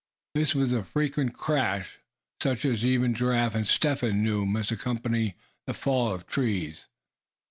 This was a frequent crash, such as even Giraffe and Step Hen knew must accompany the fall of trees.